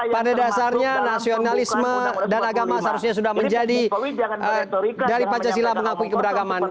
pada dasarnya nasionalisme dan agama seharusnya sudah menjadi dari pancasila mengakui keberagaman